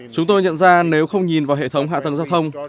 chúng tôi nhận ra nếu không nhìn vào hệ thống hạ tầng giao thông